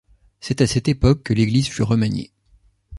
C'est à cette époque que l'église fut remaniée.